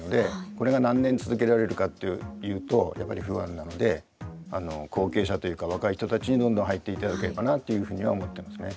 これが何年続けられるかっていうとやっぱり不安なので後継者というか若い人たちにどんどん入っていただければなっていうふうには思ってますね。